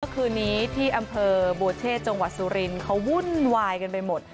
คืนนี้ที่อำเภอบัวเชษจังหวัดสุรินทร์เขาวุ่นวายกันไปหมด